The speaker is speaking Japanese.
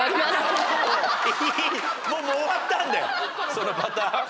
そのパターン。